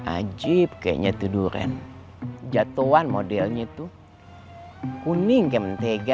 ajib kayaknya itu durian jatuhan modelnya tuh kuning kayak mentega